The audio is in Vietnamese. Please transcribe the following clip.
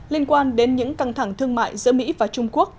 liên quan đến những căng thẳng thương mại giữa mỹ và trung quốc